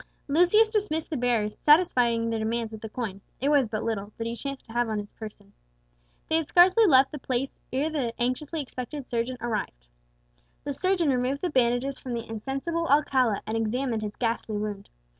Lucius dismissed the bearers, satisfying their demands with the coin it was but little that he chanced to have on his person. They had scarcely left the place ere the anxiously expected surgeon arrived. The surgeon removed the bandages from the insensible Alcala, and examined his ghastly wound.